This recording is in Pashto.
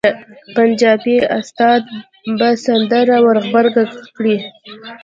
پنجابي استاد به سندره ور غبرګه کړي.